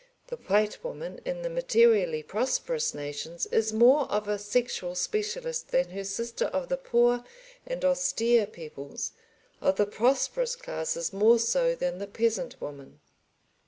The white woman in the materially prosperous nations is more of a sexual specialist than her sister of the poor and austere peoples, of the prosperous classes more so than the peasant woman.